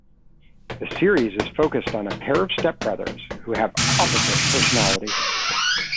The series is focused on a pair of stepbrothers who have opposite personalities.